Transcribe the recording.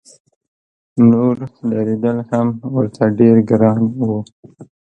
نور درېدل هم ورته ډېر ګران و.